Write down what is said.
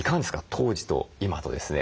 当時と今とですね